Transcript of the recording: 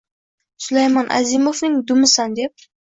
— Sulaymon Azimovning «dumi»san, deb!